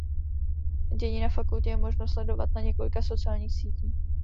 Dění na fakultě je možno sledovat na několika sociálních sítích.